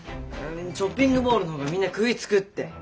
ショッピングモールの方がみんな食いつくって。